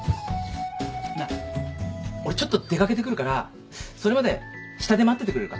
なあ俺ちょっと出掛けてくるからそれまで下で待っててくれるか？